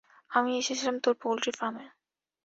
আমি এসেছিলাম তোর পোল্ট্রি ফার্মে।